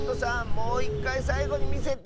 もういっかいさいごにみせて！